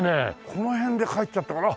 この辺で帰っちゃったから。